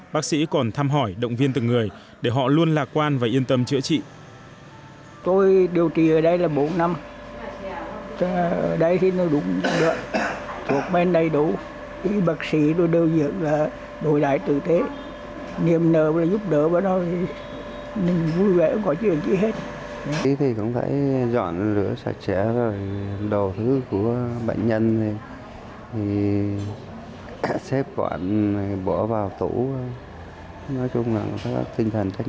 bác sĩ còn thăm hỏi động viên từng người để họ luôn lạc quan và yên tâm chữa trị